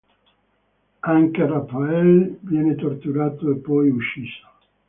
Anche Raphael viene torturato e poi ucciso.